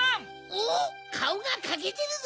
おっカオがかけてるぞ。